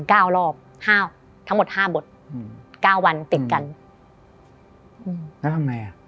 เก้ารอบห้าทั้งหมดห้าบทอืมเก้าวันติดกันอืมแล้วทำไงอ่ะ